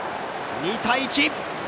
２対１。